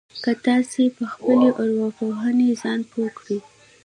که تاسې په خپلې ارواپوهنې ځان پوه کړئ.